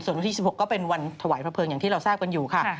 ส่วนวันที่๑๖ก็เป็นวันถวายพระเพิงอย่างที่เราทราบกันอยู่ค่ะ